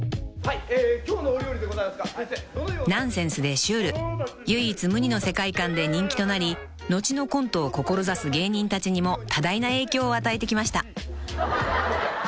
［ナンセンスでシュール唯一無二の世界観で人気となり後のコントを志す芸人たちにも多大な影響を与えてきました］